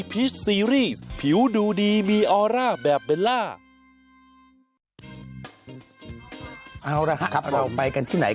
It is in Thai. แผลอะไรนะ